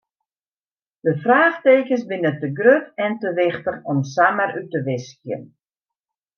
De fraachtekens binne te grut en te wichtich om samar út te wiskjen.